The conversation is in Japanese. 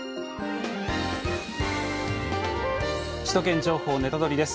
「首都圏情報ネタドリ！」です。